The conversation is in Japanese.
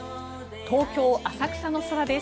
東京・浅草の空です。